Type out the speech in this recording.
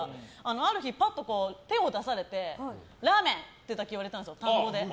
ある日、パッと手を出されてラーメンってだけ言われたんですよ、単語で。